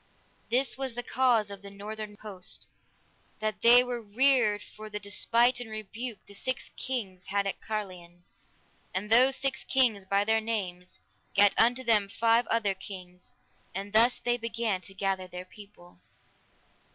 This was the cause of the northern host: that they were reared for the despite and rebuke the six kings had at Carlion. And those six kings by their means, gat unto them five other kings; and thus they began to gather their people.